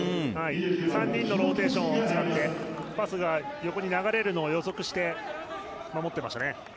３人のローテーションをつかんでパスを横に流れるのを予測して守っていましたね。